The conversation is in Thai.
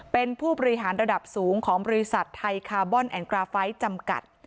เป็นผู้บริหารระดับสูงของบริษัทไทยคาร์บอนแอนกราไฟท์จำกัด